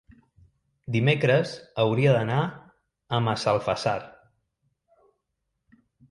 Dimecres hauria d'anar a Massalfassar.